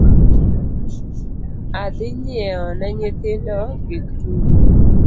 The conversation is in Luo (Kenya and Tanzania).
Adhi nyieo ne nyithindo gik tugo